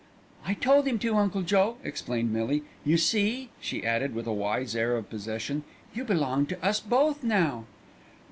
"I told him to, Uncle Joe," explained Millie. "You see," she added with a wise air of possession, "you belong to us both now."